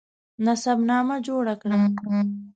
نسب نامه جوړه کړه.